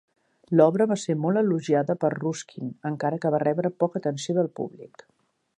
L'obra va ser molt elogiada per Ruskin, encara que va rebre poca atenció del públic.